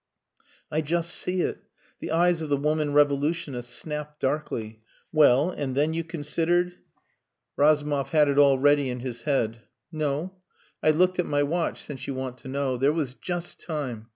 "I just see it!" The eyes of the woman revolutionist snapped darkly. "Well and then you considered...." Razumov had it all ready in his head. "No. I looked at my watch, since you want to know. There was just time.